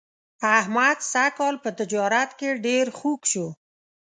احمد سږ کال په تجارت کې ډېر خوږ شو.